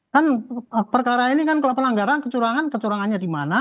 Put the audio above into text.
kan perkara ini kan kalau pelanggaran kecurangan kecurangannya di mana